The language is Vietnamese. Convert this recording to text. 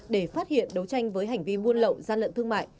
để phát hiện đấu tranh với hành vi buôn lậu gian lận thương mại